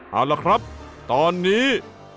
เอาละครับตอนนี้